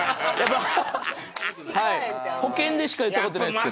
保健でしか言った事ないですけど。